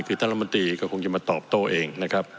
คือท่านรัฐมนตรีก็คงจะมาตอบโต้เองนะครับ